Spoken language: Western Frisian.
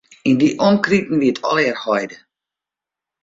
Yn dy omkriten wie it allegear heide.